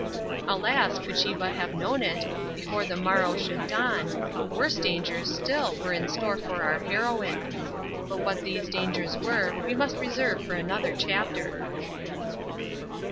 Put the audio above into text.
Alas, could she but have known it, before the morrow should dawn, worse dangers still were in store for our heroine. But what these dangers were, we must reserve for another chapter.